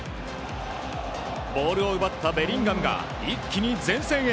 ボールを奪ったベリンガムが一気に前線へ。